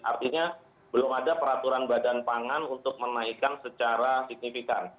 artinya belum ada peraturan badan pangan untuk menaikkan secara signifikan